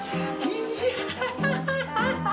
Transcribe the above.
いや。